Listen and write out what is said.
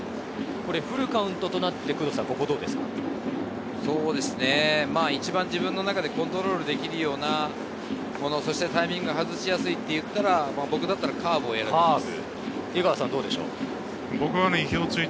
フルカウントとなってど一番、自分の中でコントロールできるようなもの、タイミングを外しやすいって言ったら僕だったらカーブを選びます。